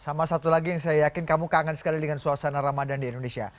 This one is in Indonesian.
sama satu lagi yang saya yakin kamu kangen sekali dengan suasana ramadan di indonesia